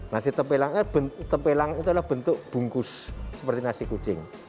nasi tempelang itu adalah bentuk bungkus seperti nasi kucing